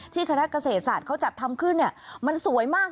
คณะเกษตรศาสตร์เขาจัดทำขึ้นมันสวยมาก